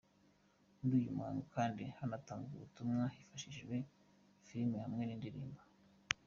Muri uyu muhango kandi hanatanzwe ubutumwa hifashishijwe film hamwe n’indirimbo.